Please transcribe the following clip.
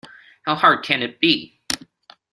How hard can it be?